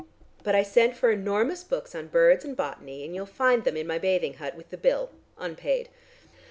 But I sent for enormous books on birds and botany, and you'll find them in my bathing hut with the bill: unpaid.